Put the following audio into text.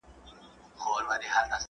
زه بايد سينه سپين وکړم؟